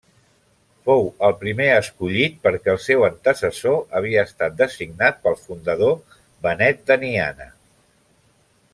Fou el primer escollit perquè el seu antecessor havia estat designat pel fundador Benet d'Aniana.